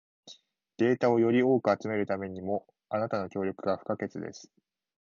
データをより多く集めるためにも、あなたの協力が不可欠です。